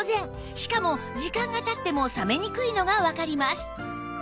しかも時間が経っても冷めにくいのがわかります